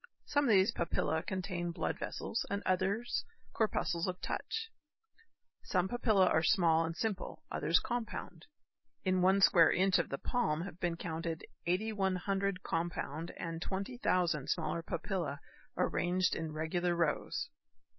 Some of these papillæ contain blood vessels and others corpuscles of touch. Some papillæ are small and simple, others compound. In one square inch of the palm have been counted 8,100 compound and 20,000 smaller papillæ arranged in regular rows.